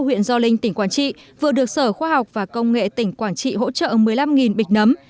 huyện gio linh tỉnh quảng trị vừa được sở khoa học và công nghệ tỉnh quảng trị hỗ trợ một mươi năm bịch nấm